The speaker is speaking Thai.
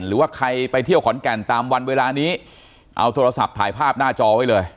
หรือว่าใครไปเที่ยวขอนแก่นตามวันเวลานี้เอาโทรศัพท์ถ่ายภาพหน้าจอไว้เลย